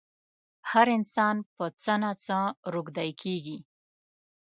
هر انسان په څه نه څه روږدی کېږي.